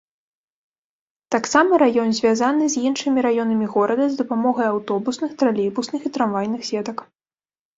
Таксама раён звязаны з іншымі раёнамі горада з дапамогай аўтобусных, тралейбусных і трамвайных сетак.